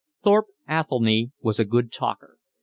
Thorpe Athelny was a good talker.